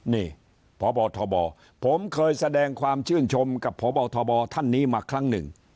นี่พบทบผมเคยแสดงความชื่นชมกับพบทบท่านนี้มาครั้งหนึ่ง